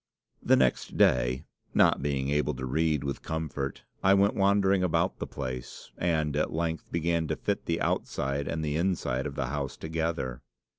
"The next day, not being able to read with comfort, I went wandering about the place, and at length began to fit the outside and inside of the house together.